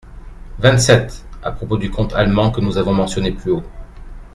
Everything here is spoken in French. vingt-sept) à propos du conte allemand que nous avons mentionné plus haut.